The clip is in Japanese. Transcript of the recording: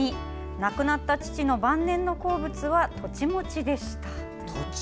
亡くなった父の晩年の好物はとち餅でした。